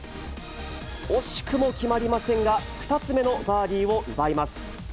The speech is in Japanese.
惜しくも決まりませんが、２つ目のバーディーを奪います。